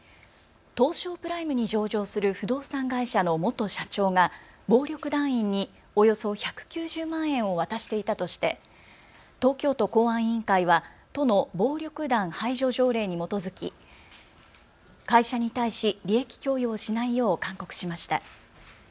東証プライムに上場する不動産会社の元社長が暴力団員におよそ１９０万円を渡していたとして東京都公安委員会は都の暴力団排除条例に基づき会社に対し利益供与をしないよう勧告しました。